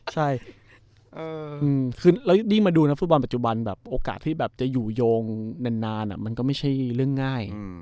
ใช่ดินมาดูนะฟุตบอลปัจจุบันโอกาสที่จะอยู่โยงนานมันก็ไม่ใช่เรื่องง่าย